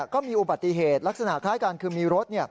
ก็มีอุบัติเหตุลักษณะคล้ายกันคือมีรถ